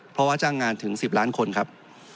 เพราะว่าจ้างงานถึง๑๐ล้านคนครับ